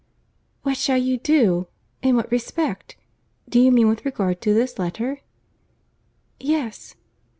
"What shall you do! In what respect? Do you mean with regard to this letter?" "Yes."